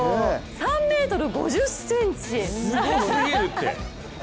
３ｍ５０ｃｍ。